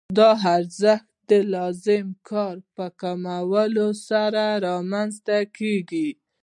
دا ارزښت د لازم کار په کموالي سره رامنځته کېږي